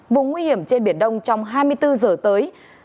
vùng nguy hiểm trên biển đông trong hai mươi bốn giờ tới